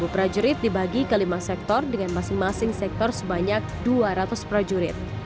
dua puluh prajurit dibagi ke lima sektor dengan masing masing sektor sebanyak dua ratus prajurit